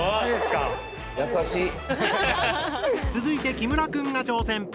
続いて木村くんが挑戦！